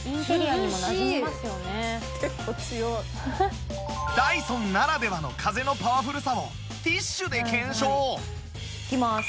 「結構強い」ダイソンならではの風のパワフルさをティッシュで検証いきます。